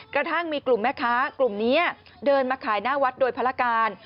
กระทั่งมีกลุ่มแม่ค้ากลุ่มนี้เดินมาขายหน้าวัดโดยภารการ